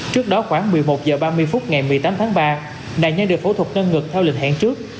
trước đó khoảng một mươi một h ba mươi phút ngày một mươi tám tháng ba nạn nhân được phẫu thuật tân ngực theo lịch hẹn trước